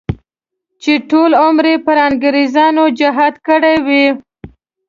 چې ټول عمر یې پر انګریزانو جهاد کړی وي.